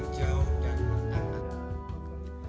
dari sisi hijau dan berkata